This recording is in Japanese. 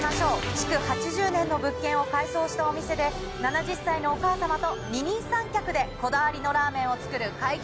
築８０年の物件を改装したお店で７０歳のお母さまと二人三脚でこだわりのラーメンを作る開業